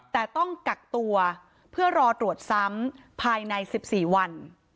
แต่ต้องกักตัวเพื่อรอตรวจซ้ำภายใน๑๔วัน